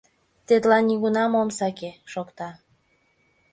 Тетла нигунам ом саке... — шокта.